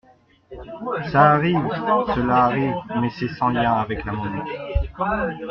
Ça arrive ! Cela arrive, mais c’est sans lien avec l’amendement.